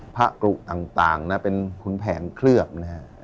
พระกรุกต่างเป็นขุนแผนเคลือบนะครับ